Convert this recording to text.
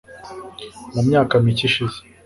Mu myaka mike ishize,